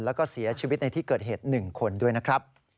แล้วก็เสียชีวิตในที่เกิดเหตุ๑คนด้วยนะครับ